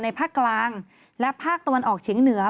ภาคกลางและภาคตะวันออกเฉียงเหนือ